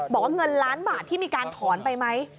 บอกว่าเงินล้านบาทที่มีการถอนไปไหม